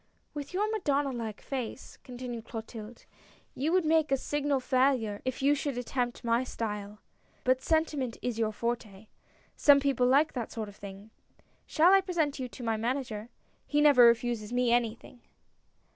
" With your Madonna like face," continued Clotilde, " you would make a signal failure if you should attempt my style; but sentiment is your forte. Some people like that sort of thing. Shall I present you to my Manager. He never refuses me anything